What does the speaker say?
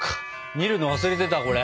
見るの忘れてたこれ。